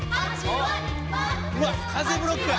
うわっ風ブロックや！